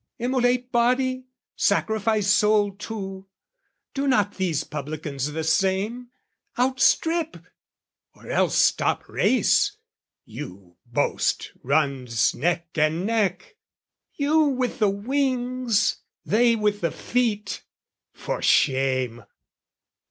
Immolate body, sacrifice soul too, Do not these publicans the same? Outstrip! Or else stop race, you boast runs neck and neck, You with the wings, they with the feet, for shame!